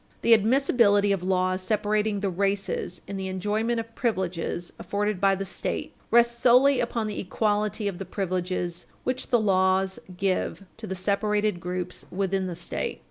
The admissibility of laws separating the races in the enjoyment of privileges afforded by the State rests wholly upon the equality of the privileges which the laws give to the separated groups within the State.